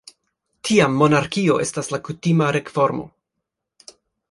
Tiam monarkio estis la kutima regformo.